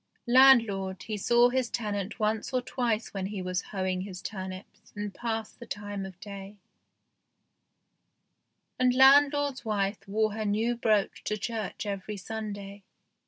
Landlord, he saw his tenant once or twice when he was hoeing his turnips and passed the time of day, and landlord's wife wore her new brooch to church every Sunday.